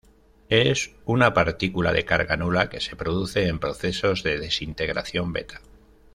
Es una partícula de carga nula que se produce en procesos de desintegración beta.